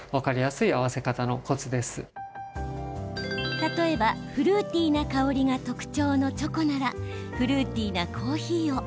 例えば、フルーティーな香りが特徴のチョコならフルーティーなコーヒーを。